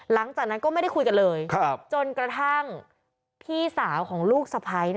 หลังจากนั้นก็ไม่ได้คุยกันเลยจนกระทั่งพี่สาวของลูกสะพ้าย